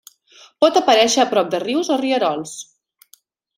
Pot aparèixer a prop de rius o rierols.